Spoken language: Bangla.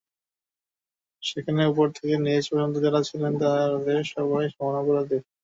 সেখানে ওপর থেকে নিচ পর্যন্ত যাঁরা ছিলেন, তাঁদের সবাই সমানভাবে অপরাধী।